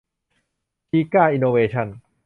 ซิก้า อินโนเวชั่น